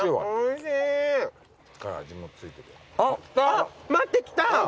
・あっ待って来た。